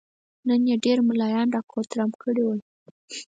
نن يې ډېر ملايان را کوترم کړي ول.